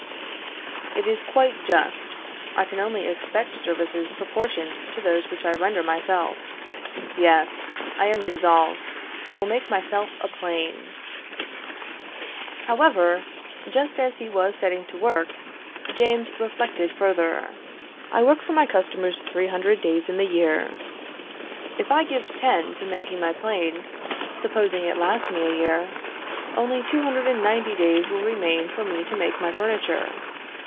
It is quite just; I can only expect services proportioned to those which I render myself. Yes! I am resolved, I will make myself a plane." However, just as he was setting to work, James reflected further: "I work for my customers 300 days in the year. If I give ten to making my plane, supposing it lasts me a year, only 290 days will remain for me to make my furniture.